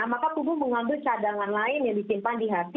maka tubuh mengambil cadangan lain yang disimpan di hati